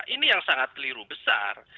ini yang sangat keliru besar